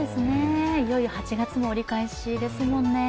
いよいよ８月も折り返しですもんね。